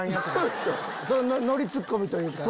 ノリツッコミというか。